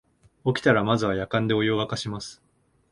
起きたらまずはやかんでお湯をわかします